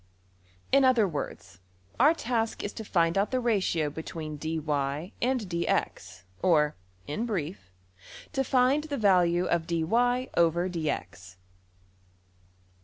In other words our task is to find out the ratio between $dy$~and~$dx$, or, in brief, to find the value of~$\dfrac{dy}{dx}$.